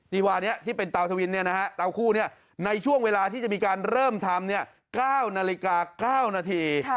ดีวานี้ที่เป็นเตาทวินเตาคู่ในช่วงเวลาที่จะมีการเริ่มทำ๙นาฬิกา๙นาที